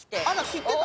知ってた？